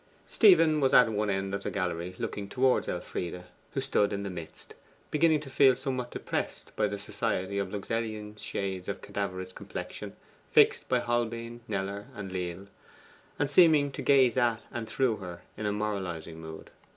Stephen was at one end of the gallery looking towards Elfride, who stood in the midst, beginning to feel somewhat depressed by the society of Luxellian shades of cadaverous complexion fixed by Holbein, Kneller, and Lely, and seeming to gaze at and through her in a moralizing mood.